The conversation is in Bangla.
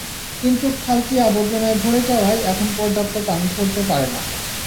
কিন্তু খালটি আবর্জনায় ভরে যাওয়ায় এখন পর্যাপ্ত পানি সরতে পারে না।